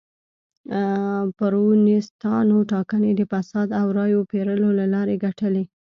پېرونیستانو ټاکنې د فساد او رایو پېرلو له لارې ګټلې.